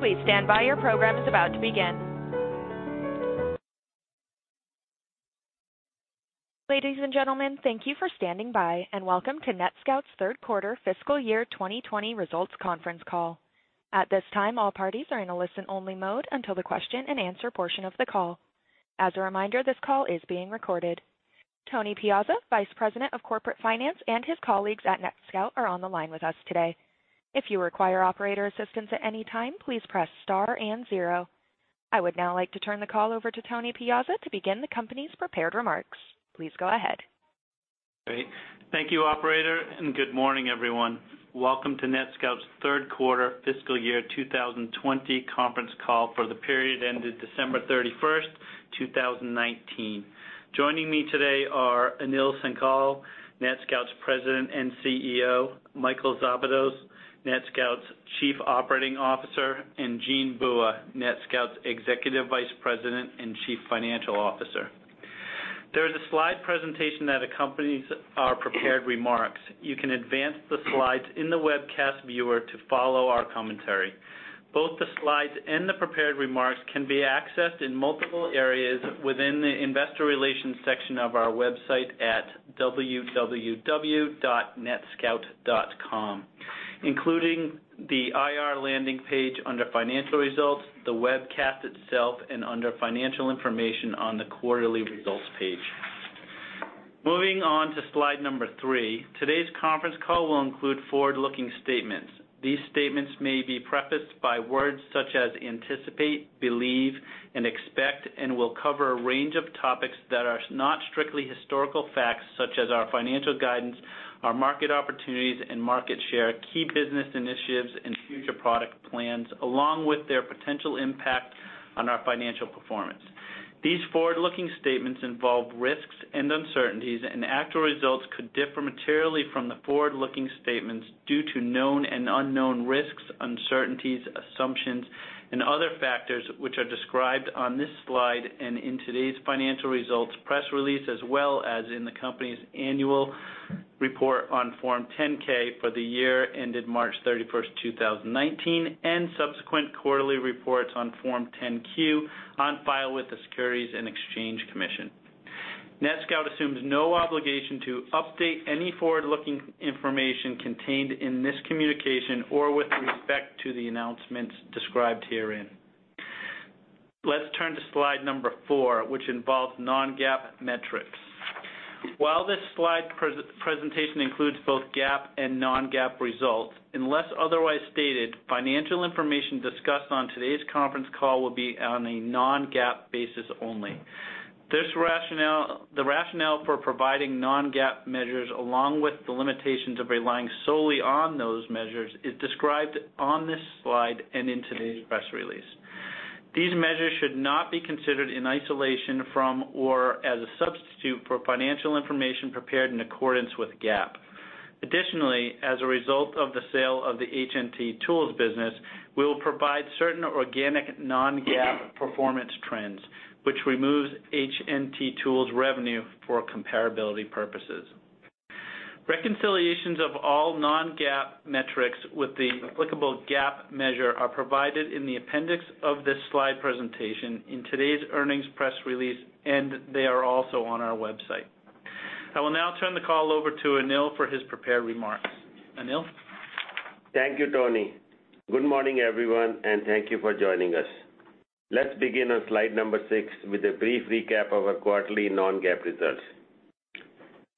Please stand by. Your program is about to begin. Ladies and gentlemen, thank you for standing by, and welcome to NETSCOUT's third quarter fiscal year 2020 results conference call. At this time, all parties are in a listen-only mode until the question and answer portion of the call. As a reminder, this call is being recorded. Tony Piazza, Vice President of Corporate Finance, and his colleagues at NETSCOUT are on the line with us today. If you require operator assistance at any time, please press star and zero. I would now like to turn the call over to Tony Piazza to begin the company's prepared remarks. Please go ahead. Great. Thank you operator, good morning, everyone. Welcome to NETSCOUT's third quarter fiscal year 2020 conference call for the period ended December 31st, 2019. Joining me today are Anil Singhal, NETSCOUT's President and CEO, Michael Szabados, NETSCOUT's Chief Operating Officer, and Jean Bua, NETSCOUT's Executive Vice President and Chief Financial Officer. There is a slide presentation that accompanies our prepared remarks. You can advance the slides in the webcast viewer to follow our commentary. Both the slides and the prepared remarks can be accessed in multiple areas within the Investor Relations section of our website at www.netscout.com, including the IR landing page under financial results, the webcast itself, and under financial information on the quarterly results page. Moving on to slide number three. Today's conference call will include forward-looking statements. These statements may be prefaced by words such as "anticipate," "believe," and "expect," and will cover a range of topics that are not strictly historical facts, such as our financial guidance, our market opportunities and market share, key business initiatives, and future product plans, along with their potential impact on our financial performance. These forward-looking statements involve risks and uncertainties, and actual results could differ materially from the forward-looking statements due to known and unknown risks, uncertainties, assumptions, and other factors which are described on this slide and in today's financial results press release, as well as in the company's annual report on Form 10-K for the year ended March 31st, 2019, and subsequent quarterly reports on Form 10-Q on file with the Securities and Exchange Commission. NETSCOUT assumes no obligation to update any forward-looking information contained in this communication or with respect to the announcements described herein. Let's turn to slide number four, which involves non-GAAP metrics. While this slide presentation includes both GAAP and non-GAAP results, unless otherwise stated, financial information discussed on today's conference call will be on a non-GAAP basis only. The rationale for providing non-GAAP measures, along with the limitations of relying solely on those measures, is described on this slide and in today's press release. These measures should not be considered in isolation from or as a substitute for financial information prepared in accordance with GAAP. Additionally, as a result of the sale of the HNT Tools business, we will provide certain organic non-GAAP performance trends, which removes HNT Tools revenue for comparability purposes. Reconciliations of all non-GAAP metrics with the applicable GAAP measure are provided in the appendix of this slide presentation, in today's earnings press release, and they are also on our website. I will now turn the call over to Anil for his prepared remarks. Anil? Thank you, Tony. Good morning, everyone, and thank you for joining us. Let's begin on slide number six with a brief recap of our quarterly non-GAAP results.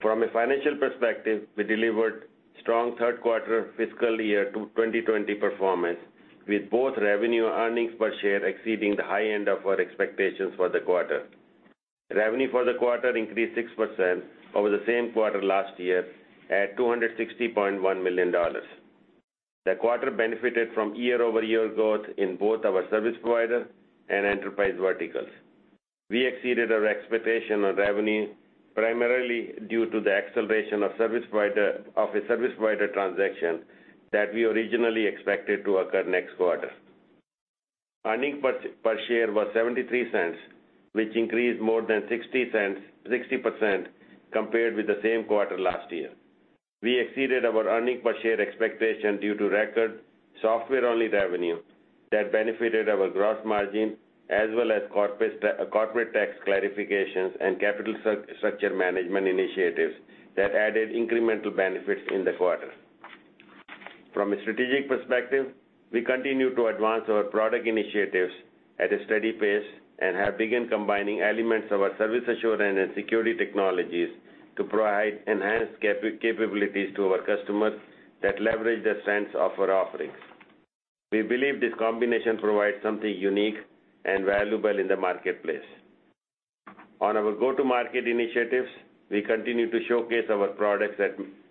From a financial perspective, we delivered strong third quarter fiscal year 2020 performance with both revenue earnings per share exceeding the high end of our expectations for the quarter. Revenue for the quarter increased 6% over the same quarter last year at $260.1 million. The quarter benefited from year-over-year growth in both our service provider and enterprise verticals. We exceeded our expectation on revenue primarily due to the acceleration of a service provider transaction that we originally expected to occur next quarter. Earnings per share was $0.73, which increased more than 60% compared with the same quarter last year. We exceeded our earnings per share expectation due to record software-only revenue that benefited our gross margin as well as corporate tax clarifications and capital structure management initiatives that added incremental benefits in the quarter. From a strategic perspective, we continue to advance our product initiatives at a steady pace and have begun combining elements of our service assurance and security technologies to provide enhanced capabilities to our customers that leverage the strengths of our offerings. We believe this combination provides something unique and valuable in the marketplace. On our go-to-market initiatives, we continue to showcase our products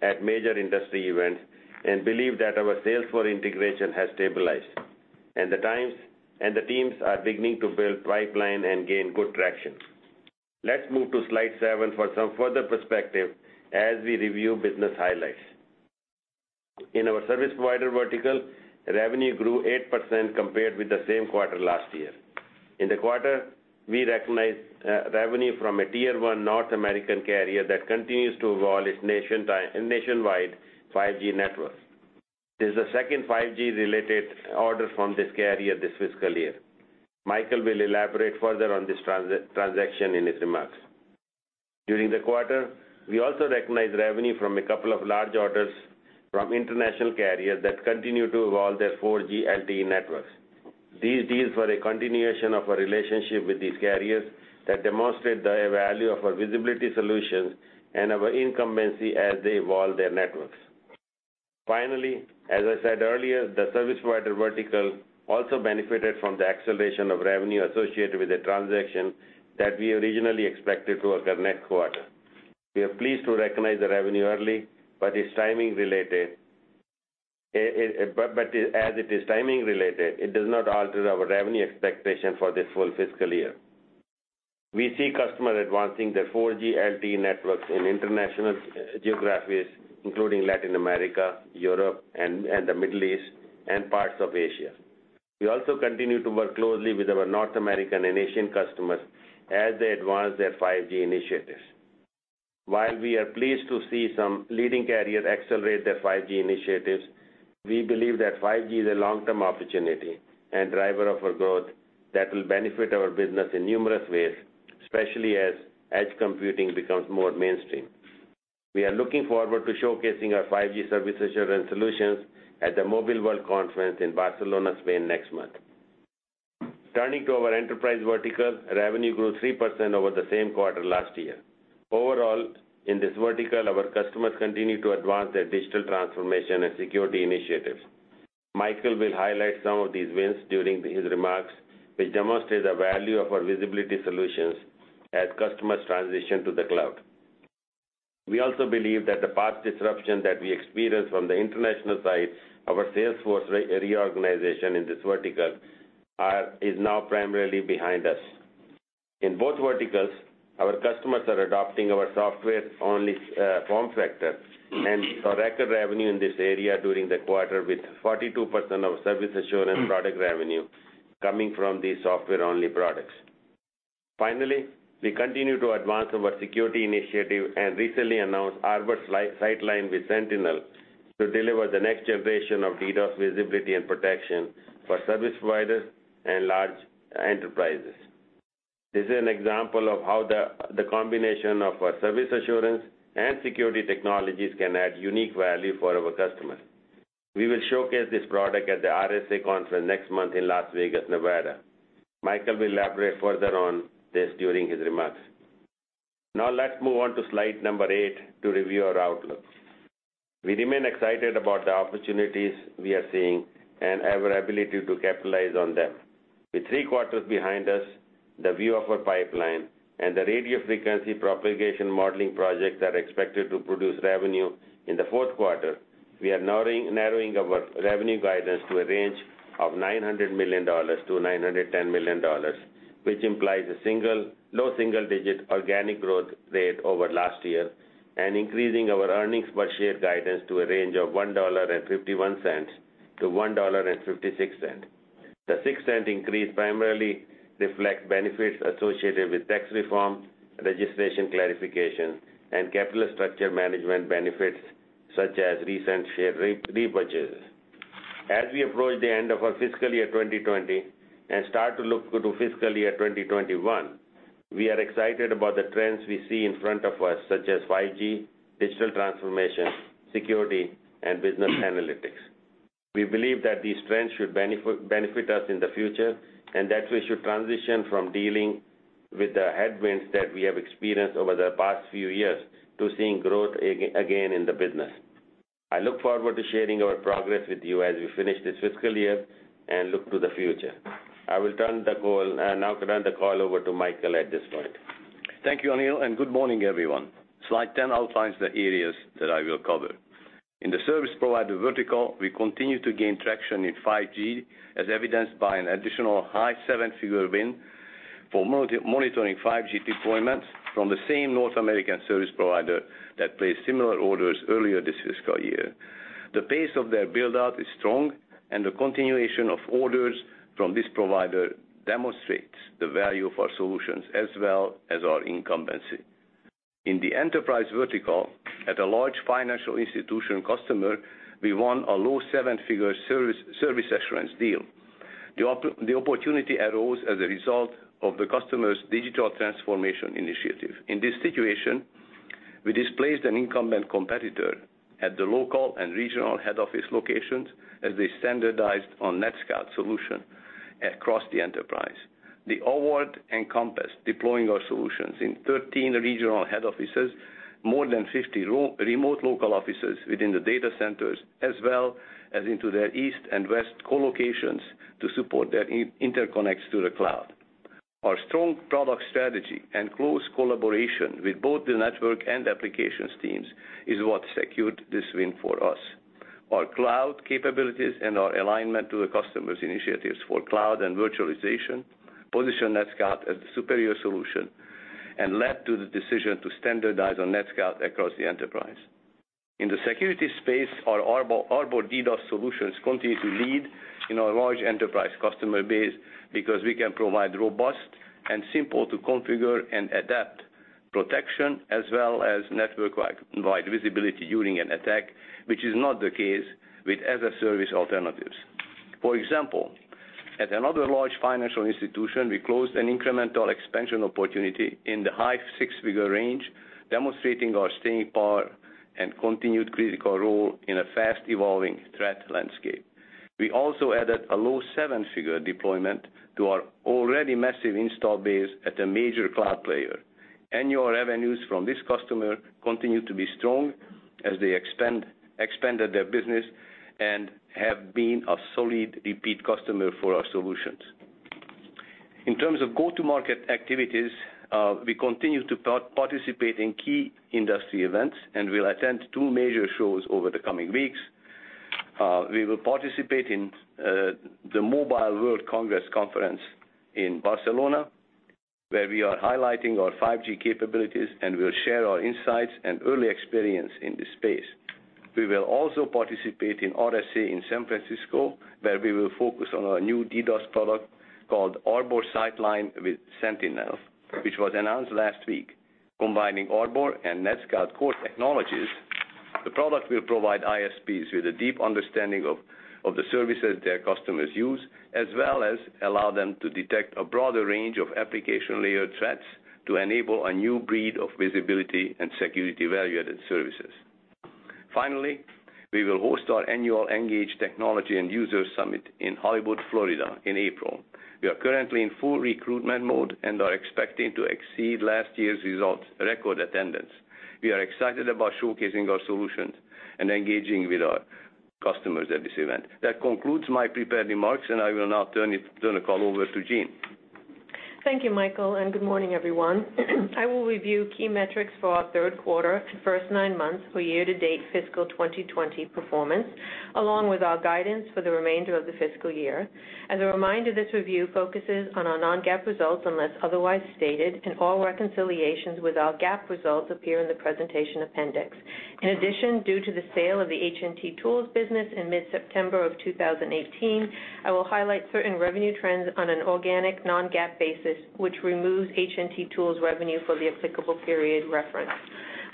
at major industry events and believe that our sales force integration has stabilized, and the teams are beginning to build pipeline and gain good traction. Let's move to slide seven for some further perspective as we review business highlights. In our service provider vertical, revenue grew 8% compared with the same quarter last year. In the quarter, we recognized revenue from a Tier 1 North American carrier that continues to evolve its nationwide 5G network. This is the second 5G related order from this carrier this fiscal year. Michael will elaborate further on this transaction in his remarks. During the quarter, we also recognized revenue from a couple of large orders from international carriers that continue to evolve their 4G LTE networks. These deals were a continuation of a relationship with these carriers that demonstrate the value of our visibility solutions and our incumbency as they evolve their networks. As I said earlier, the service provider vertical also benefited from the acceleration of revenue associated with the transaction that we originally expected to occur next quarter. We are pleased to recognize the revenue early, but as it is timing related, it does not alter our revenue expectation for this full fiscal year. We see customers advancing their 4G LTE networks in international geographies, including Latin America, Europe, and the Middle East, and parts of Asia. We also continue to work closely with our North American and Asian customers as they advance their 5G initiatives. While we are pleased to see some leading carriers accelerate their 5G initiatives, we believe that 5G is a long-term opportunity and driver of our growth that will benefit our business in numerous ways, especially as edge computing becomes more mainstream. We are looking forward to showcasing our 5G service assurance solutions at the Mobile World Congress in Barcelona, Spain next month. Turning to our enterprise vertical, revenue grew 3% over the same quarter last year. Overall, in this vertical, our customers continue to advance their digital transformation and security initiatives. Michael will highlight some of these wins during his remarks, which demonstrate the value of our visibility solutions as customers transition to the cloud. We also believe that the path disruption that we experienced from the international side, our sales force reorganization in this vertical is now primarily behind us. In both verticals, our customers are adopting our software-only form factor and saw record revenue in this area during the quarter with 42% of service assurance product revenue coming from these software-only products. Finally, we continue to advance our security initiative and recently announced Arbor Sightline with Sentinel to deliver the next generation of DDoS visibility and protection for service providers and large enterprises. This is an example of how the combination of our service assurance and security technologies can add unique value for our customers. We will showcase this product at the RSA Conference next month in Las Vegas, Nevada. Michael will elaborate further on this during his remarks. Now let's move on to slide number eight to review our outlook. We remain excited about the opportunities we are seeing and our ability to capitalize on them. With three quarters behind us, the view of our pipeline, and the radio frequency propagation modeling projects that are expected to produce revenue in the fourth quarter, we are narrowing our revenue guidance to a range of $900 million-$910 million, which implies a low single-digit organic growth rate over last year and increasing our earnings per share guidance to a range of $1.51-$1.56. The $0.06 increase primarily reflects benefits associated with tax reform, registration clarification, and capital structure management benefits such as recent share repurchases. As we approach the end of our fiscal year 2020 and start to look to fiscal year 2021, we are excited about the trends we see in front of us, such as 5G, digital transformation, security, and business analytics. We believe that these trends should benefit us in the future, and that we should transition from dealing with the headwinds that we have experienced over the past few years to seeing growth again in the business. I look forward to sharing our progress with you as we finish this fiscal year and look to the future. I will now turn the call over to Michael at this point. Thank you, Anil, and good morning, everyone. Slide 10 outlines the areas that I will cover. In the service provider vertical, we continue to gain traction in 5G, as evidenced by an additional high seven-figure win for monitoring 5G deployments from the same North American service provider that placed similar orders earlier this fiscal year. The pace of their build-out is strong and the continuation of orders from this provider demonstrates the value of our solutions as well as our incumbency. In the enterprise vertical, at a large financial institution customer, we won a low seven-figure service assurance deal. The opportunity arose as a result of the customer's digital transformation initiative. In this situation, we displaced an incumbent competitor at the local and regional head office locations as they standardized on NETSCOUT solution across the enterprise. The award encompassed deploying our solutions in 13 regional head offices, more than 50 remote local offices within the data centers, as well as into their east and west co-locations to support their interconnects to the cloud. Our strong product strategy and close collaboration with both the network and applications teams is what secured this win for us. Our cloud capabilities and our alignment to the customer's initiatives for cloud and virtualization position NETSCOUT as the superior solution and led to the decision to standardize on NETSCOUT across the enterprise. In the security space, our Arbor DDoS solutions continue to lead in our large enterprise customer base because we can provide robust and simple-to-configure and adapt protection as well as network-wide visibility during an attack, which is not the case with as-a-service alternatives. For example, at another large financial institution, we closed an incremental expansion opportunity in the high six-figure range, demonstrating our staying power and continued critical role in a fast-evolving threat landscape. We also added a low seven-figure deployment to our already massive install base at a major cloud player. Annual revenues from this customer continue to be strong as they expanded their business and have been a solid repeat customer for our solutions. In terms of go-to-market activities, we continue to participate in key industry events and will attend two major shows over the coming weeks. We will participate in the Mobile World Congress conference in Barcelona, where we are highlighting our 5G capabilities and will share our insights and early experience in this space. We will also participate in RSA in San Francisco, where we will focus on our new DDoS product called Arbor Sightline with Sentinel, which was announced last week. Combining Arbor and NETSCOUT core technologies, the product will provide ISPs with a deep understanding of the services their customers use, as well as allow them to detect a broader range of application layer threats to enable a new breed of visibility and security value-added services. Finally, we will host our annual ENGAGE technology and user summit in Hollywood, Florida in April. We are currently in full recruitment mode and are expecting to exceed last year's results record attendance. We are excited about showcasing our solutions and engaging with our customers at this event. That concludes my prepared remarks, and I will now turn the call over to Jean. Thank you, Michael, and good morning, everyone. I will review key metrics for our third quarter and first nine months for year-to-date fiscal 2020 performance, along with our guidance for the remainder of the fiscal year. As a reminder, this review focuses on our non-GAAP results unless otherwise stated, and all reconciliations with our GAAP results appear in the presentation appendix. In addition, due to the sale of the HNT Tools business in mid-September of 2018, I will highlight certain revenue trends on an organic non-GAAP basis, which removes HNT Tools revenue for the applicable period referenced.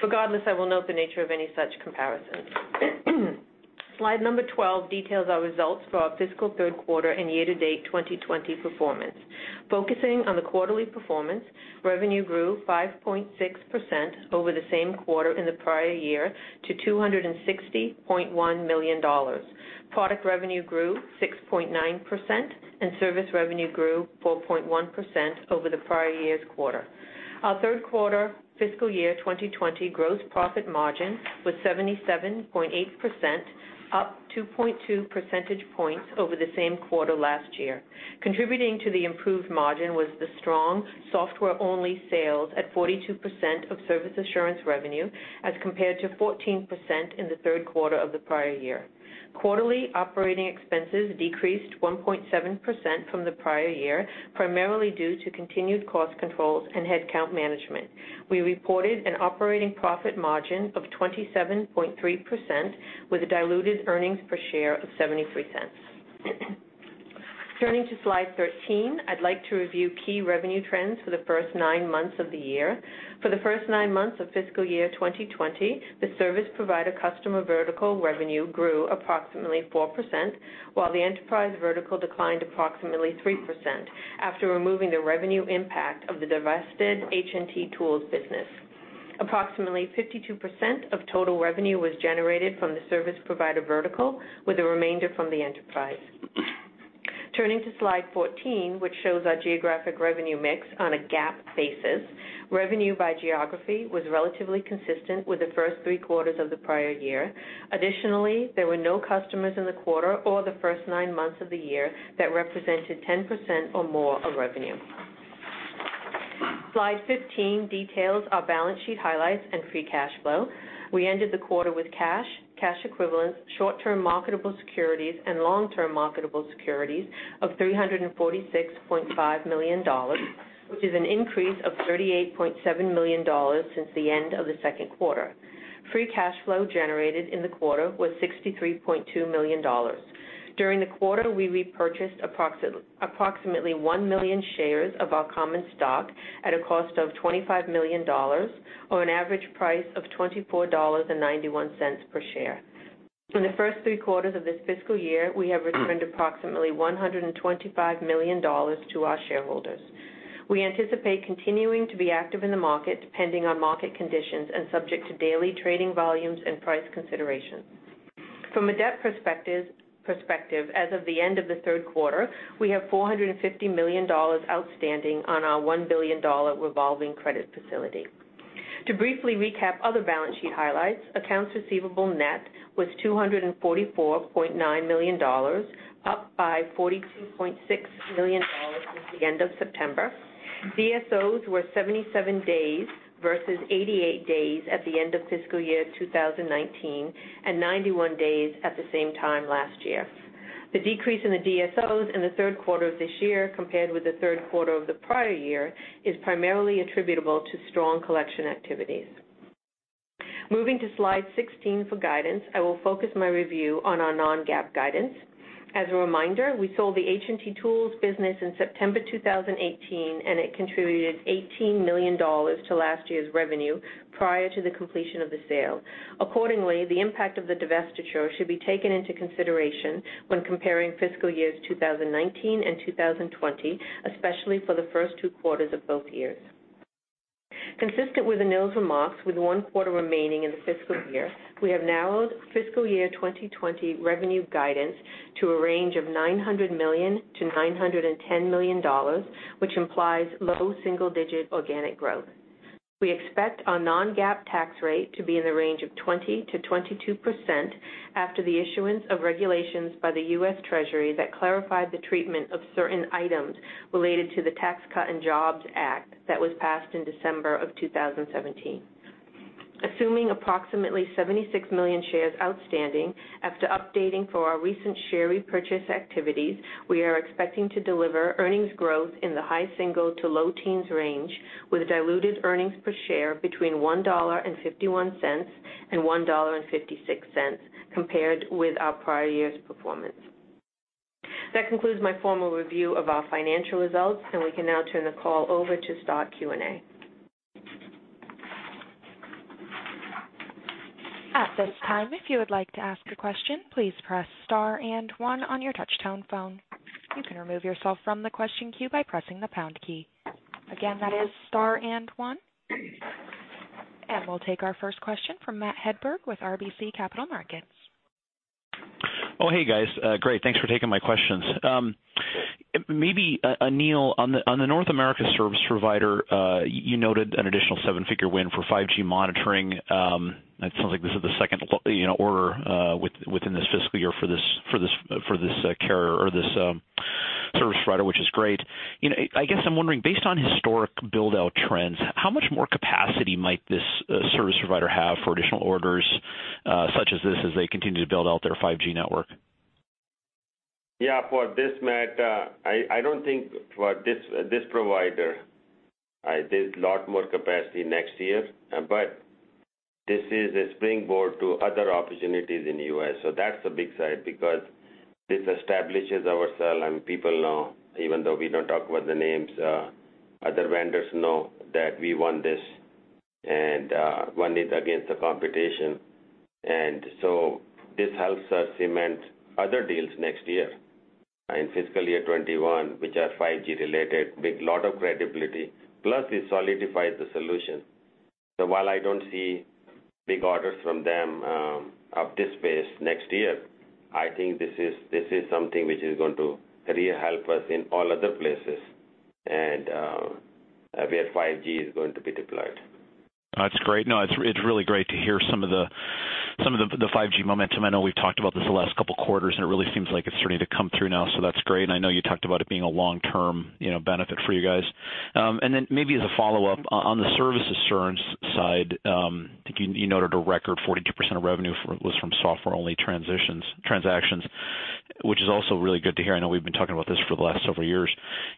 Regardless, I will note the nature of any such comparisons. Slide number 12 details our results for our fiscal third quarter and year-to-date 2020 performance. Focusing on the quarterly performance, revenue grew 5.6% over the same quarter in the prior year to $260.1 million. Product revenue grew 6.9%, and service revenue grew 4.1% over the prior year's quarter. Our third quarter fiscal year 2020 gross profit margin was 77.8%, up 2.2 percentage points over the same quarter last year. Contributing to the improved margin was the strong software-only sales at 42% of service assurance revenue as compared to 14% in the third quarter of the prior year. Quarterly operating expenses decreased 1.7% from the prior year, primarily due to continued cost controls and headcount management. We reported an operating profit margin of 27.3% with a diluted earnings per share of $0.73. Turning to slide 13, I'd like to review key revenue trends for the first nine months of the year. For the first nine months of fiscal year 2020, the service provider customer vertical revenue grew approximately 4%, while the enterprise vertical declined approximately 3% after removing the revenue impact of the divested HNT Tools business. Approximately 52% of total revenue was generated from the service provider vertical, with the remainder from the enterprise. Turning to slide 14, which shows our geographic revenue mix on a GAAP basis. Revenue by geography was relatively consistent with the first three quarters of the prior year. Additionally, there were no customers in the quarter or the first nine months of the year that represented 10% or more of revenue. Slide 15 details our balance sheet highlights and free cash flow. We ended the quarter with cash equivalents, short-term marketable securities, and long-term marketable securities of $346.5 million, which is an increase of $38.7 million since the end of the second quarter. Free cash flow generated in the quarter was $63.2 million. During the quarter, we repurchased approximately 1 million shares of our common stock at a cost of $25 million, or an average price of $24.91 per share. In the first three quarters of this fiscal year, we have returned approximately $125 million to our shareholders. We anticipate continuing to be active in the market depending on market conditions and subject to daily trading volumes and price considerations. From a debt perspective, as of the end of the third quarter, we have $450 million outstanding on our $1 billion revolving credit facility. To briefly recap other balance sheet highlights, accounts receivable net was $244.9 million, up by $42.6 million since the end of September. DSOs were 77 days versus 88 days at the end of fiscal year 2019 and 91 days at the same time last year. The decrease in the DSOs in the third quarter of this year compared with the third quarter of the prior year is primarily attributable to strong collection activities. Moving to slide 16 for guidance, I will focus my review on our non-GAAP guidance. As a reminder, we sold the HNT Tools business in September 2018, and it contributed $18 million to last year's revenue prior to the completion of the sale. Accordingly, the impact of the divestiture should be taken into consideration when comparing fiscal years 2019 and 2020, especially for the first two quarters of both years. Consistent with Anil's remarks, with one quarter remaining in the fiscal year, we have narrowed fiscal year 2020 revenue guidance to a range of $900 million-$910 million, which implies low single-digit organic growth. We expect our non-GAAP tax rate to be in the range of 20%-22% after the issuance of regulations by the U.S. Treasury that clarified the treatment of certain items related to the Tax Cuts and Jobs Act that was passed in December of 2017. Assuming approximately 76 million shares outstanding after updating for our recent share repurchase activities, we are expecting to deliver earnings growth in the high single to low teens range, with diluted earnings per share between $1.51 and $1.56 compared with our prior year's performance. That concludes my formal review of our financial results, and we can now turn the call over to start Q&A. At this time, if you would like to ask a question, please press star and one on your touch-tone phone. You can remove yourself from the question queue by pressing the pound key. Again, that is star and one. We'll take our first question from Matt Hedberg with RBC Capital Markets. Oh, hey, guys. Great, thanks for taking my questions. Maybe, Anil, on the North America service provider, you noted an additional seven-figure win for 5G monitoring. It sounds like this is the second order within this fiscal year for this carrier or this service provider, which is great. I guess I'm wondering, based on historic build-out trends, how much more capacity might this service provider have for additional orders such as this as they continue to build out their 5G network? Yeah, for this, Matt, I don't think for this provider, there's a lot more capacity next year, but this is a springboard to other opportunities in the U.S., so that's the big side because this establishes and people know, even though we don't talk about the names, other vendors know that we won this and won it against the competition. This helps us cement other deals next year in fiscal year 2021, which are 5G related, big lot of credibility, plus it solidifies the solution. While I don't see big orders from them of this space next year, I think this is something which is going to really help us in all other places and where 5G is going to be deployed. That's great. No, it's really great to hear some of the 5G momentum. I know we've talked about this the last couple of quarters. It really seems like it's starting to come through now, so that's great. I know you talked about it being a long-term benefit for you guys. Then maybe as a follow-up on the service assurance side, I think you noted a record 42% of revenue was from software-only transactions, which is also really good to hear. I know we've been talking about this for the last several years.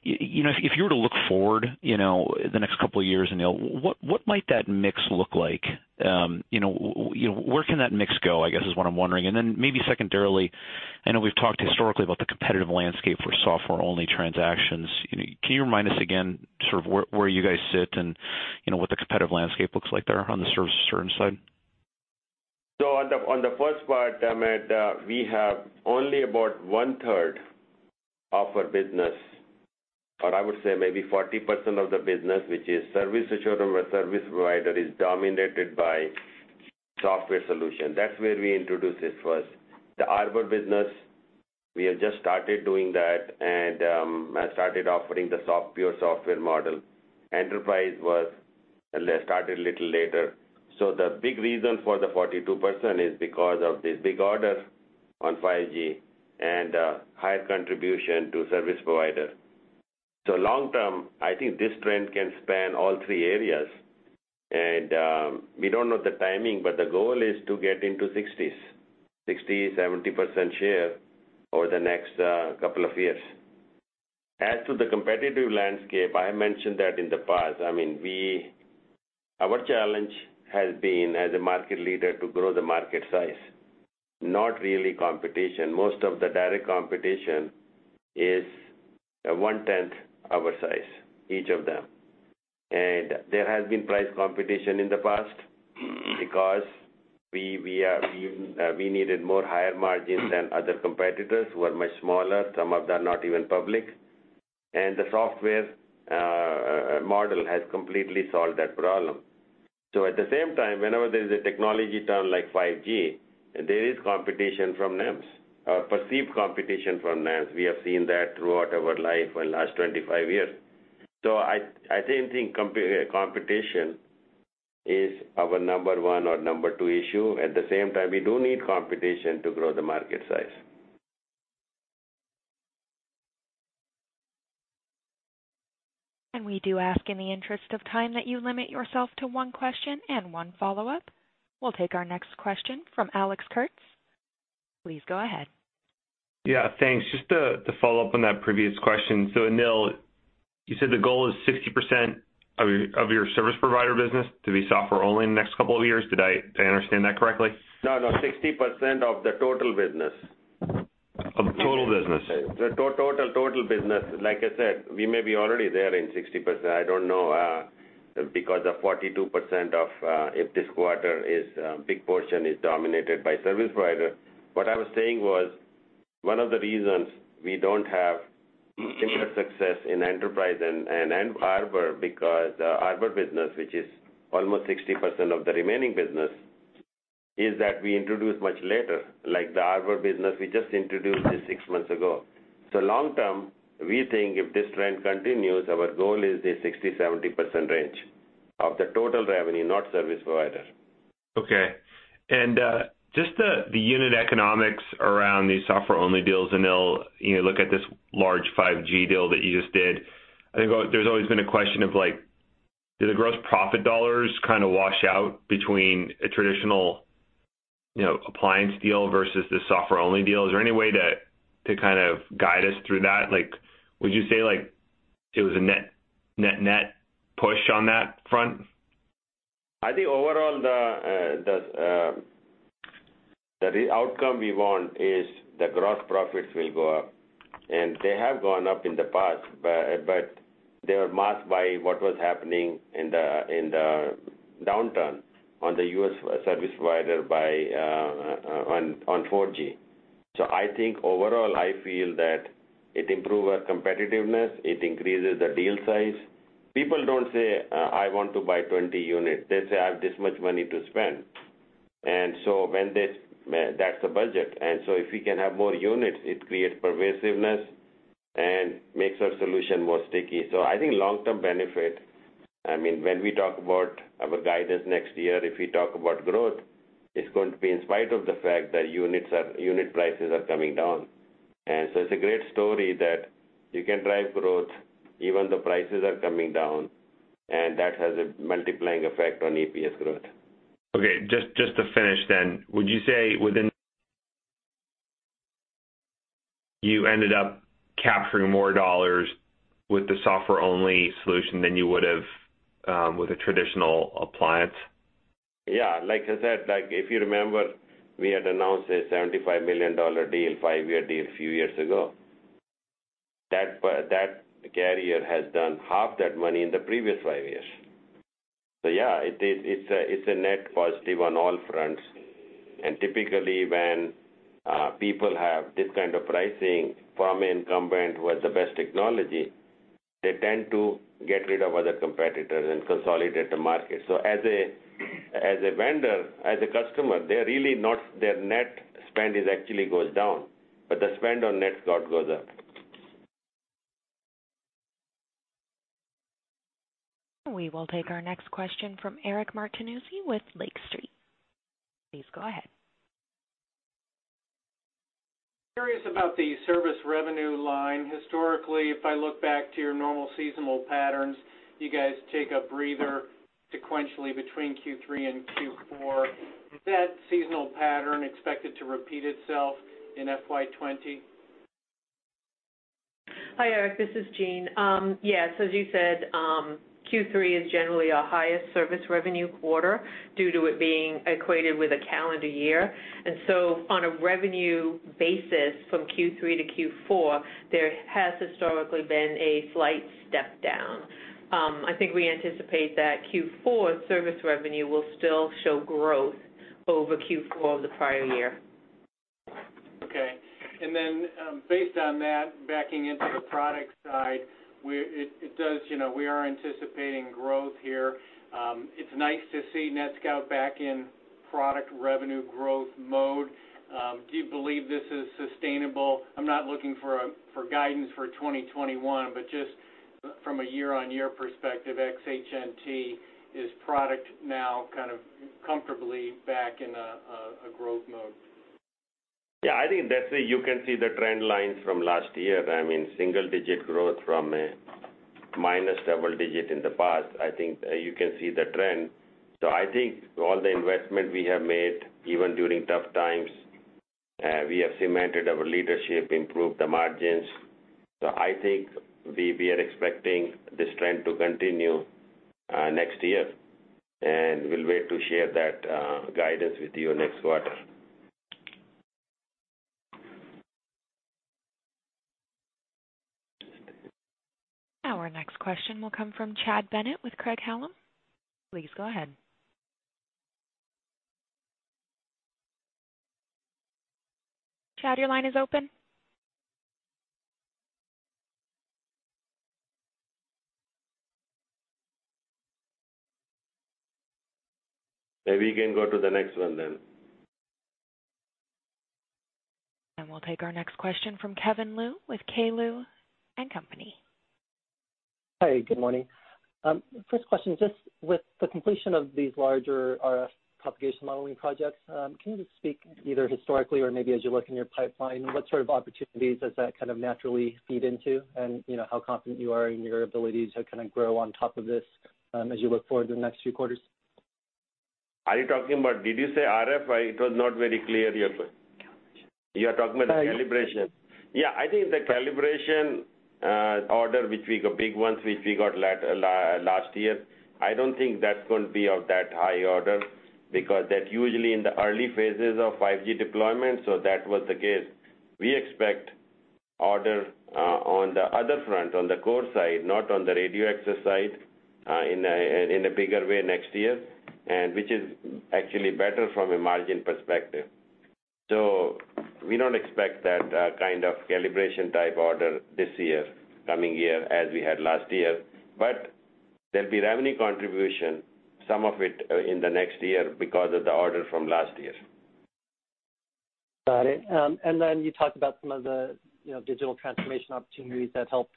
If you were to look forward the next couple of years, Anil, what might that mix look like? Where can that mix go, I guess, is what I'm wondering. Then maybe secondarily, I know we've talked historically about the competitive landscape for software-only transactions. Can you remind us again sort of where you guys sit and what the competitive landscape looks like there on the service assurance side? On the first part, Matt, we have only about one-third of our business, or I would say maybe 40% of the business, which is service assurance or service provider, is dominated by software solution. That's where we introduced it first. The Arbor business, we have just started doing that and started offering the pure software model. Enterprise was started a little later. The big reason for the 42% is because of this big order on 5G and higher contribution to service provider. Long term, I think this trend can span all three areas. We don't know the timing, but the goal is to get into 60s, 60%-70% share over the next couple of years. As to the competitive landscape, I mentioned that in the past. Our challenge has been, as a market leader, to grow the market size, not really competition. Most of the direct competition is 1/10 our size, each of them. There has been price competition in the past because we needed more higher margins than other competitors who are much smaller. Some of them are not even public. The software model has completely solved that problem. At the same time, whenever there's a technology term like 5G, there is competition from NEMs, perceived competition from NEMs. We have seen that throughout our life in last 25 years. I don't think competition is our number one or number two issue. At the same time, we do need competition to grow the market size. We do ask in the interest of time that you limit yourself to one question and one follow-up. We'll take our next question from Alex Kurtz. Please go ahead. Yeah, thanks. Just to follow up on that previous question. Anil, you said the goal is 60% of your service provider business to be software only in the next couple of years. Did I understand that correctly? No, 60% of the total business. Of total business. The total business. Like I said, we may be already there in 60%. I don't know, because of 42% of, if this quarter is a big portion, is dominated by service provider. What I was saying was, one of the reasons we don't have similar success in enterprise and Arbor, because the Arbor business, which is almost 60% of the remaining business, is that we introduced much later. Like the Arbor business, we just introduced it six months ago. Long term, we think if this trend continues, our goal is the 60%-70% range of the total revenue, not service provider. Okay. Just the unit economics around these software-only deals, Anil. Look at this large 5G deal that you just did. I think there's always been a question of, do the gross profit dollars wash out between a traditional appliance deal versus the software-only deal? Is there any way to guide us through that? Would you say there was a net push on that front? I think overall, the outcome we want is the gross profits will go up. They have gone up in the past, but they were masked by what was happening in the downturn on the U.S. service provider on 4G. I think overall, I feel that it improves our competitiveness. It increases the deal size. People don't say, "I want to buy 20 units." They say, "I have this much money to spend." When that's the budget, if we can have more units, it creates pervasiveness and makes our solution more sticky. I think long-term benefit, when we talk about our guidance next year, if we talk about growth, it's going to be in spite of the fact that unit prices are coming down. It's a great story that you can drive growth even the prices are coming down, and that has a multiplying effect on EPS growth. Okay. Just to finish, would you say you ended up capturing more dollars with the software-only solution than you would've with a traditional appliance? Yeah, like I said, if you remember, we had announced a $75 million deal, five-year deal a few years ago. That carrier has done half that money in the previous five years. Yeah, it's a net positive on all fronts. Typically, when people have this kind of pricing from incumbent who has the best technology, they tend to get rid of other competitors and consolidate the market. As a vendor, as a customer, their net spend actually goes down, but the spend on NETSCOUT goes up. We will take our next question from Eric Martinuzzi with Lake Street. Please go ahead. Curious about the service revenue line. Historically, if I look back to your normal seasonal patterns, you guys take a breather sequentially between Q3 and Q4. Is that seasonal pattern expected to repeat itself in FY 2020? Hi, Eric. This is Jean. Yes. As you said, Q3 is generally our highest service revenue quarter due to it being equated with a calendar year. On a revenue basis from Q3 to Q4, there has historically been a slight step down. I think we anticipate that Q4 service revenue will still show growth over Q4 of the prior year. Okay. Based on that, backing into the product side, we are anticipating growth here. It's nice to see NETSCOUT back in product revenue growth mode. Do you believe this is sustainable? I'm not looking for guidance for 2021, but just from a year-on-year perspective, ex HNT, is product now comfortably back in a growth mode? Yeah, I think that's it. You can see the trend lines from last year. I mean, single digit growth from a minus double digit in the past. I think you can see the trend. I think all the investment we have made, even during tough times, we have cemented our leadership, improved the margins. I think we are expecting this trend to continue next year, and we'll wait to share that guidance with you next quarter. Our next question will come from Chad Bennett with Craig-Hallum. Please go ahead. Chad, your line is open. Maybe we can go to the next one then. We'll take our next question from Kevin Liu with K. Liu & Company. Hi, good morning. First question, just with the completion of these larger RF propagation modeling projects, can you just speak either historically or maybe as you look in your pipeline, what sort of opportunities does that naturally feed into? How confident you are in your ability to grow on top of this as you look forward to the next few quarters? Are you talking about, did you say RF? It was not very clear, your question. You are talking about the calibration. Calibration. I think the calibration order, which we got big ones, which we got last year, I don't think that's going to be of that high order because that usually in the early phases of 5G deployment, so that was the case. We expect order on the other front, on the core side, not on the radio access side, in a bigger way next year, and which is actually better from a margin perspective. We don't expect that kind of calibration type order this year, coming year, as we had last year. There'll be revenue contribution, some of it in the next year because of the order from last year. Got it. You talked about some of the digital transformation opportunities that helped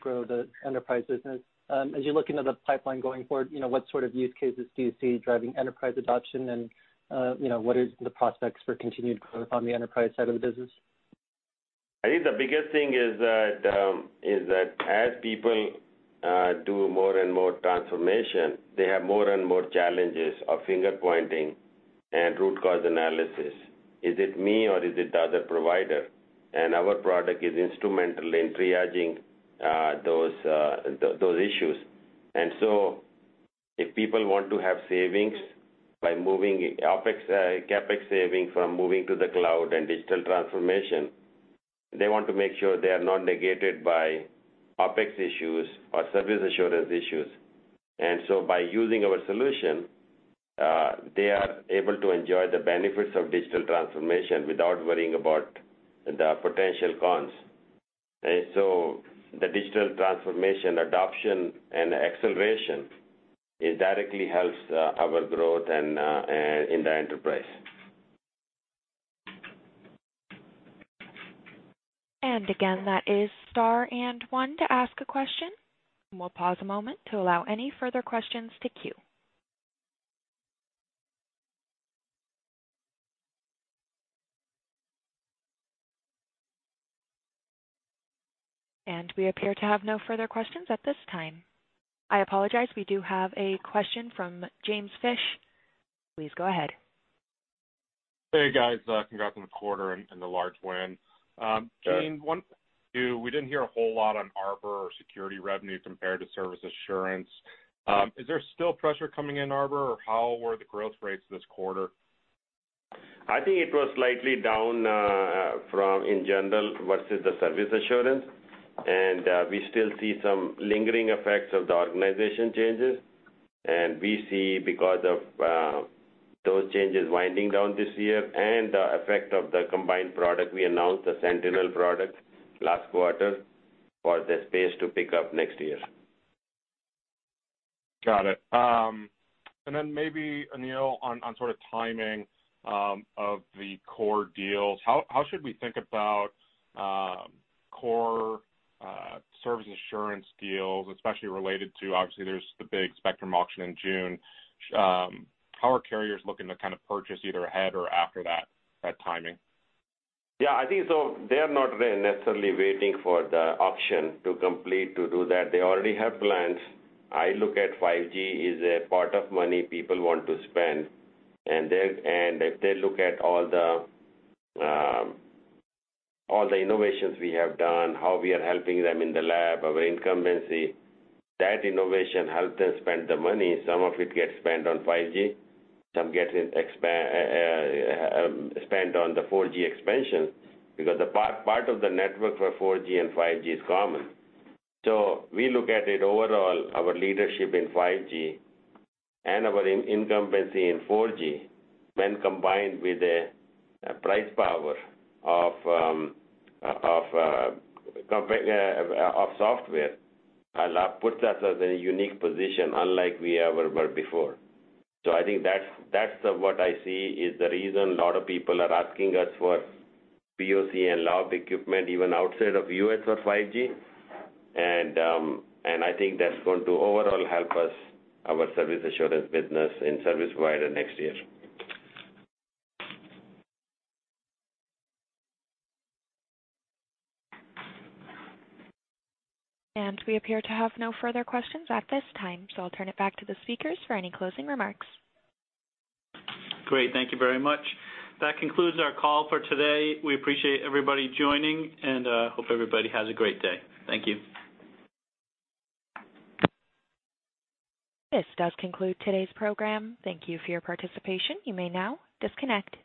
grow the enterprise business. As you look into the pipeline going forward, what sort of use cases do you see driving enterprise adoption and, what is the prospects for continued growth on the enterprise side of the business? I think the biggest thing is that as people do more and more transformation, they have more and more challenges of finger-pointing and root cause analysis. Is it me or is it the other provider? Our product is instrumental in triaging those issues. If people want to have savings by moving CapEx saving from moving to the cloud and digital transformation, they want to make sure they are not negated by OpEx issues or service assurance issues. By using our solution, they are able to enjoy the benefits of digital transformation without worrying about the potential cons. The digital transformation adoption and acceleration, it directly helps our growth in the enterprise. Again, that is star and one to ask a question. We'll pause a moment to allow any further questions to queue. We appear to have no further questions at this time. I apologize, we do have a question from James Fish. Please go ahead. Hey, guys. Congrats on the quarter and the large win. Yes. Jean, one, two, we didn't hear a whole lot on Arbor or security revenue compared to service assurance. Is there still pressure coming in Arbor, or how were the growth rates this quarter? I think it was slightly down from in general versus the service assurance. We still see some lingering effects of the organization changes. We see because of those changes winding down this year and the effect of the combined product we announced, the Sentinel product, last quarter, for the space to pick up next year. Got it. Then maybe, Anil, on timing of the core deals, how should we think about core service assurance deals, especially related to, obviously, there's the big spectrum auction in June. How are carriers looking to purchase either ahead or after that timing? Yeah, I think so they are not necessarily waiting for the auction to complete to do that. They already have plans. I look at 5G is a pot of money people want to spend. If they look at all the innovations we have done, how we are helping them in the lab, our incumbency, that innovation helped us spend the money. Some of it gets spent on 5G, some gets spent on the 4G expansion, because the part of the network for 4G and 5G is common. We look at it overall, our leadership in 5G and our incumbency in 4G, when combined with the price power of software, puts us as in a unique position unlike we ever were before. I think that's what I see is the reason a lot of people are asking us for POC and lab equipment, even outside of U.S., for 5G. I think that's going to overall help us, our service assurance business and service provider next year. We appear to have no further questions at this time, so I'll turn it back to the speakers for any closing remarks. Great. Thank you very much. That concludes our call for today. We appreciate everybody joining and hope everybody has a great day. Thank you. This does conclude today's program. Thank you for your participation. You may now disconnect.